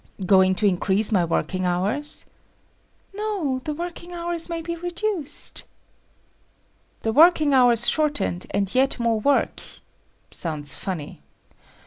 "Going to increase my working hours?" "No. The working hours may be reduced……" "The working hours shortened and yet work more? Sounds funny."